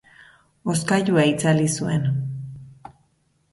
Hozkailua itzali zuen.